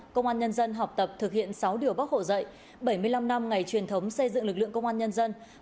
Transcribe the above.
công an nhân dân học tập thực hiện sáu điều bác hồ dạy bảy mươi năm năm ngày truyền thống xây dựng lực lượng công an nhân dân